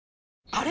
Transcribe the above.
あれ？